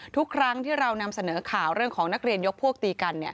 ทุกครั้งที่เรานำเสนอข่าวเรื่องของนักเรียนยกพวกตีกัน